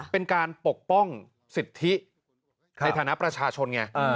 เป็นการปกป้องสิทธิในฐานะประชาชนไง